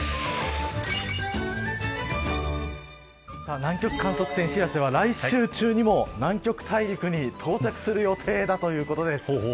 南極観測船しらせは来週中にも南極大陸に到着する予定だということです。